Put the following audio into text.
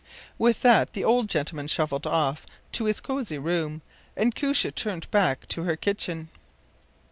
” With that the old gentleman shuffled off to his cosey room, and Koosje turned back to her kitchen.